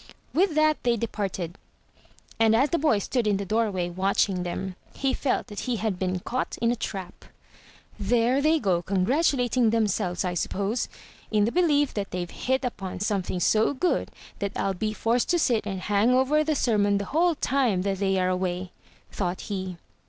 With that they departed. And as the boy stood in the door way, watching them, he felt that he had been caught in a trap. "There they go congratulating themselves, I suppose, in the belief that they've hit upon something so good that I'll be forced to sit and hang over the sermon the whole time that they are away," thought he.